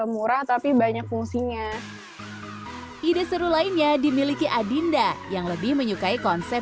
murah tapi banyak fungsinya ide seru lainnya dimiliki adinda yang lebih menyukai konsep